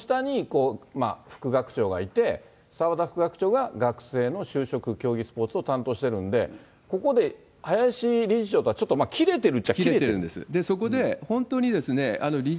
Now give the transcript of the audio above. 酒井学長があって、その下に副学長がいて、澤田副学長が学生の就職、競技スポーツを担当してるんで、ここで林理事長とはちょっと切れてるっちゃ切れてる。